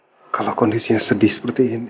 kalau kondisinya sedih seperti ini